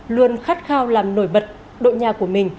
luôn khát khao làm nổi bật đội nhà của mình